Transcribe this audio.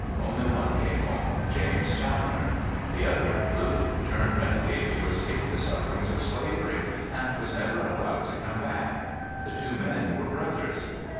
Only one came home, James Challoner. The other, Luke, turned renegade to escape the sufferings of slavery, and was never allowed to come back. The two men were brothers.